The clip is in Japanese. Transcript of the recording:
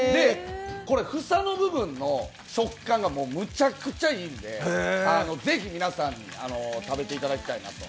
これ房の部分の食感がむちゃくちゃいいんで、ぜひ皆さん食べていただきたいなと。